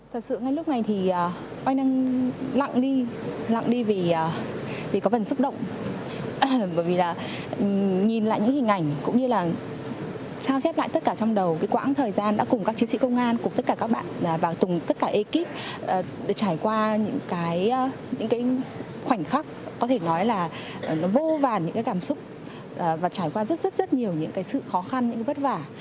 thật sự ngay lúc này thì anh đang lặng đi lặng đi vì có phần sức động bởi vì là nhìn lại những hình ảnh cũng như là sao chép lại tất cả trong đầu cái quãng thời gian đã cùng các chiến sĩ công an cùng tất cả các bạn và cùng tất cả ekip được trải qua những cái khoảnh khắc có thể nói là nó vô vàn những cái cảm xúc và trải qua rất rất rất nhiều những cái sự khó khăn những cái vất vả